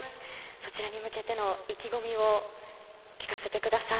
そちらに向けての意気込みを聞かせてください。